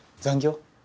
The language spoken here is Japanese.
残業？